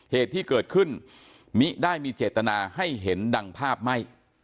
เหตุที่เกิดขึ้นมิได้มิจริย์ตนาให้เห็นทิศดั่งภาพไม่